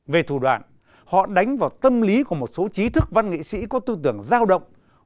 về thủ đoạn họ đánh vào tâm lý của một số trí thức văn nghệ sĩ có tư tưởng giao động